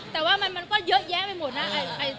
แต่ว่ามันก็เยอะแยะไปหมดนะ